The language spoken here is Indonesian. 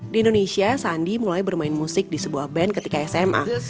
di indonesia sandi mulai bermain musik di sebuah band ketika sma